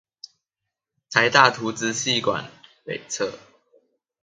臺大圖資系館北側